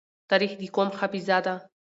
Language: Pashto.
تاریخ د قوم حافظه ده.